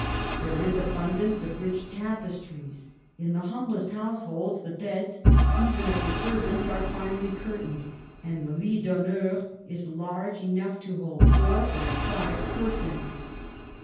There is abundance of rich tapestries; in the humblest households the beds, even of the servants, are finely curtained, and the lit d'honneur is large enough to hold four or five persons.